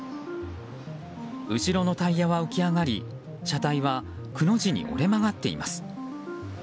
後ろのタイヤは浮き上がり車体はくの字に折れ曲がっています。